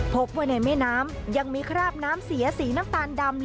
พบว่าในแม่น้ำยังมีคราบน้ำเสียสีน้ำตาลดำ